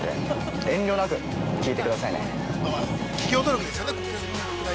遠慮なく聞いてくださいね。